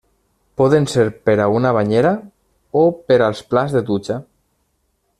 Poden ser per a una banyera o per als plats de dutxa.